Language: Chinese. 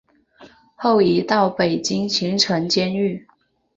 后移到北京秦城监狱。